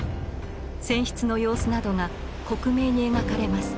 船室の様子などが克明に描かれます。